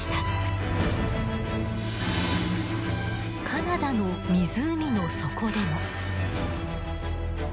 カナダの湖の底でも。